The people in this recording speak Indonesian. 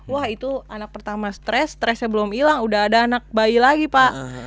wah itu anak pertama stres stresnya belum hilang udah ada anak bayi lagi pak